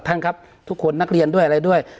ท่านครับทุกคนนักเรียนด้วยอะไรด้วย